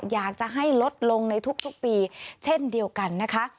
อยากจะให้ลดลงในทุกปีเช่นเดียวกันนะคะ